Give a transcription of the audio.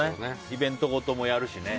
イベントごともやるしね。